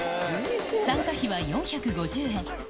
参加費は４５０円。